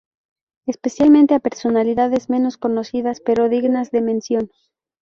Especialmente a personalidades menos conocidas pero dignas de mención.